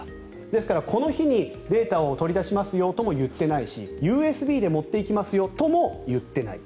ですからこの日にデータを取り出しますよとも言っていないしＵＳＢで持っていきますよとも言っていない。